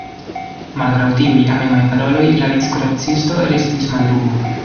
Malgraŭ tiuj amemaj paroloj, la vickuracisto restis malluma.